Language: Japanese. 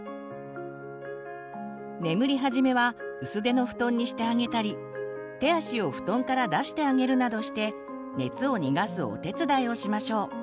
眠りはじめは薄手の布団にしてあげたり手足を布団から出してあげるなどして熱を逃がすお手伝いをしましょう。